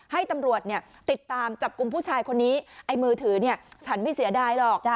ให้ตำรวจเนี่ยติดตามจับกลุ่มผู้ชายคนนี้ไอ้มือถือเนี่ยฉันไม่เสียดายหรอก